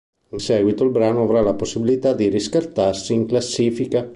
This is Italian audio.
In seguito, il brano avrà la possibilità di riscattarsi in classifica.